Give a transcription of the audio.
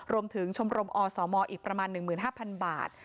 ชมรมอสมอีกประมาณ๑๕๐๐๐บาท